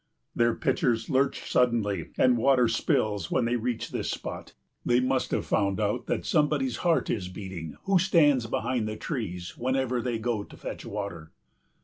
Their pitchers lurch suddenly, and water spills when they reach this spot. They must have found out that somebody's heart is beating who stands behind the trees whenever they go to fetch water.